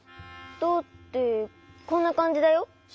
どうってこんなかんじだよ。